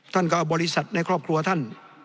ท่านก็เอาบริษัทในครอบครัวท่าน